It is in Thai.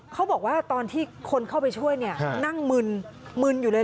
เขาบอกว่าตอนที่คนเข้าไปช่วยเนี่ยนั่งมึนมึนอยู่เลย